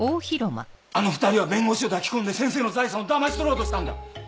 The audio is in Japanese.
あの２人は弁護士を抱き込んで先生の財産をだまし取ろうとしたんだ！